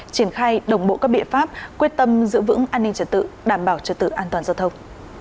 triển khai đồng bộ các biện pháp quyết tâm giữ vững an ninh trật tự đảm bảo trật tự an toàn giao thông